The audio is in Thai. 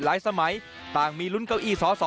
สมัยต่างมีลุ้นเก้าอี้สอสอ